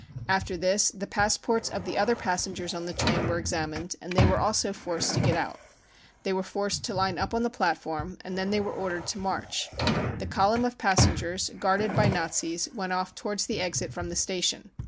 After this the passports of the other passengers on the train were examined, and they were also forced to get out. They were forced to line up on the platform and then they were ordered to march. The column of passengers, guarded by Nazis, went off towards the exit from the station.